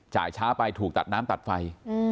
ช้าไปถูกตัดน้ำตัดไฟ